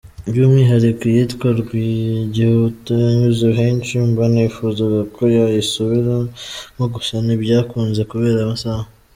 By’umwihariko iyitwa ‘Rwagihuta’ yanyuze benshi banifuzaga ko yayisubiramo gusa ntibyakunze kubera amasaha.